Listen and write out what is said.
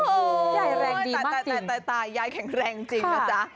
โอ้ยยายแรงดีมากจริงแต่ยายแข็งแรงจริงนะจ๊ะ